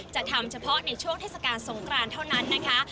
จะทำเฉพาะในช่วงเทศกาลสงครานเท่านั้นนะคะ